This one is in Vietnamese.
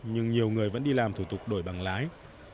nhưng nhiều người vẫn đi làm thủ tục đổi bằng lái